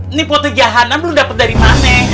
ini potegiahana belum dapet dari mana